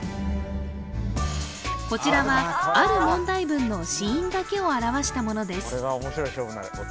こちらはある問題文の子音だけを表したものです